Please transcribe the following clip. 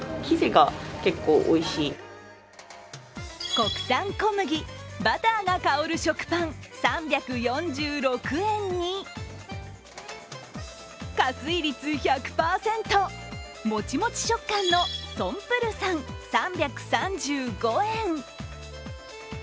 国産小麦、バターが香る食パン３４６円に加水率１００％、もちもち食感のソンプルサン、３３５円。